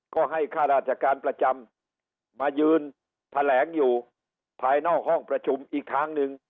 ก็ให้ข้าราชการประจำมายืนแถลงอยู่ภายนอกห้องประชุมอีกทางหนึ่ง